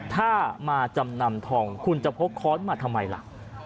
ถ้ามาจำนำทองคุณจะพกค้อนมาทำไมล่ะ